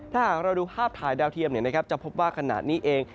ถ้าหากเราดูภาพถ่ายดาวเทียมจะพบว่าขณะนี้เอง